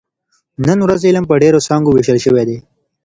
نن ورځ علم په ډېرو څانګو ویشل شوی دی.